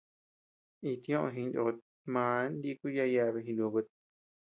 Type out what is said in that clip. It ñoʼö jiknot màa niku yaʼa yeabea jinukut.